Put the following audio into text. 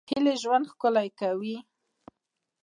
هیلې ژوند ښکلی کوي